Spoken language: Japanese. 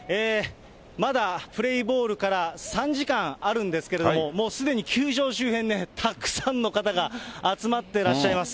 まだプレーボールから３時間あるんですけれども、もうすでに球場周辺ね、たくさんの方が集まっていらっしゃいます。